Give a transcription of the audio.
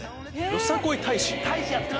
よさこい大使！